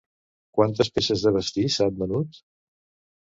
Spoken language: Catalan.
Quantes peces de vestir s'han venut?